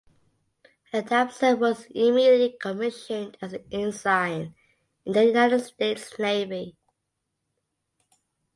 Adamson was immediately commissioned as an ensign in the United States Navy.